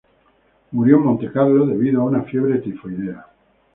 Murió en Montecarlo, debido a una fiebre tifoidea.